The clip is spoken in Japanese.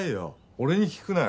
俺に聞くなよ。